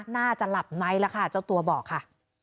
น่าจะหลับไหมล่ะค่ะเจ้าตัวบอกค่ะ